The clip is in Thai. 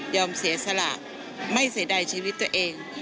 เสียสละไม่เสียดายชีวิตตัวเอง